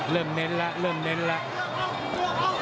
เน้นแล้วเริ่มเน้นแล้ว